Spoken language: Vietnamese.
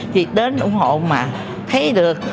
thì đến ủng hộ mà thấy được